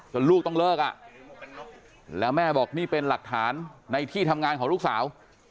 ลูกต้องเลิกอ่ะแล้วแม่บอกนี่เป็นหลักฐานในที่ทำงานของลูกสาว